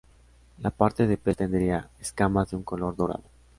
La parte de pez tendría escamas de un color dorado.